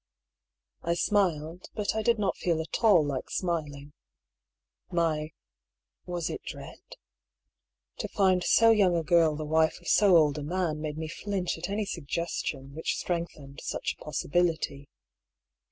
I smiled ; but I did not feel at all like smiling. My — was it dread ?— to find so young a girl the wife of so old a man made me flinch at any suggestion which strengthened such a possibility.